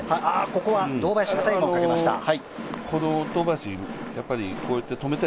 ここは堂林がタイムをかけました。